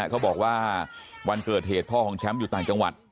เขาบอกว่าวันเกิดเหตุพ่อของแชมป์อยู่ต่างจังหวัด